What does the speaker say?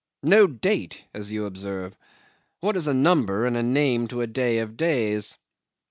No date, as you observe. What is a number and a name to a day of days?